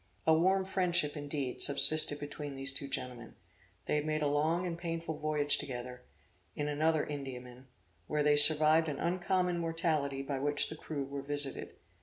A warm friendship, indeed, subsisted between these two gentlemen; they had made a long and painful voyage together, in another Indiaman, where they survived an uncommon mortality by which the crew were visited.